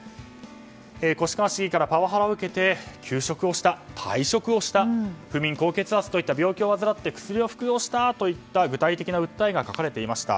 越川市議からパワハラを受けて休職をした、退職をした不眠、高血圧などの病気を患って薬を服用したといった具体的な訴えが記載されていました。